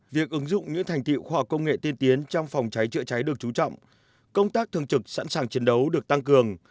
việc ứng dụng những thành tiệu khoa học công nghệ tiên tiến trong phòng cháy chữa cháy được trú trọng công tác thường trực sẵn sàng chiến đấu được tăng cường